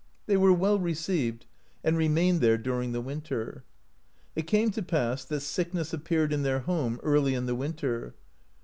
They were well received, and remained there during the winter. It came to pass that sickness appeared in their home early in the winter.